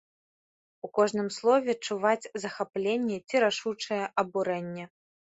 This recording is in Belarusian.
У кожным слове чуваць захапленне ці рашучае абурэнне.